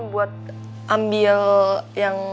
buat ambil yang